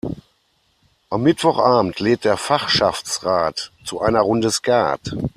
Am Mittwochabend lädt der Fachschaftsrat zu einer Runde Skat.